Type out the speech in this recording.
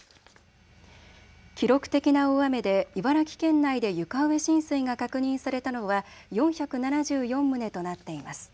記録的な大雨で茨城県内で床上浸水が確認されたのは４７４棟となっています。